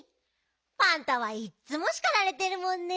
パンタはいっつもしかられてるもんね。